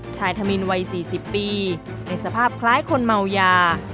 ธมินวัย๔๐ปีในสภาพคล้ายคนเมายา